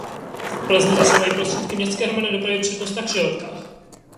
V Plzni zase mají prostředky městské hromadné dopravy přednost na křižovatkách.